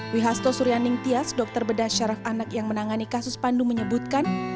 wihasto suryaning tias dokter bedah syaraf anak yang menangani kasus pandu menyebutkan